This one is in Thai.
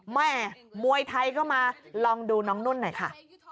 แม่มวยไทยก็มาลองดูน้องนุ่นหน่อยค่ะ